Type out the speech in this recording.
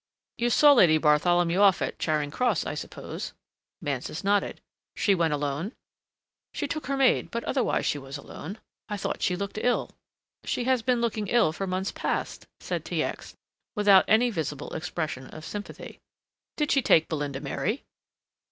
"You saw Lady Bartholomew off at Charing Cross, I suppose?" Mansus nodded. "She went alone?" "She took her maid, but otherwise she was alone. I thought she looked ill." "She has been looking ill for months past," said T. X., without any visible expression of sympathy. "Did she take Belinda Mary?"